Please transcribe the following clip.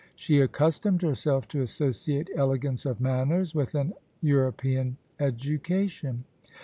She accustomed herself to associate elegance of manners with an European education.